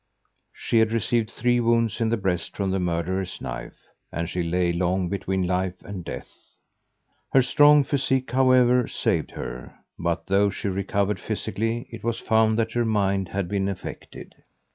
She had received three wounds in the breast from the murderer's knife, and she lay long between life and death. Her strong physique, however, saved her; but though she recovered physically it was found that her mind had been affected.